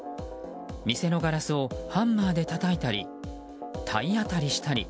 店のガラスをハンマーでたたいたり体当たりしたり。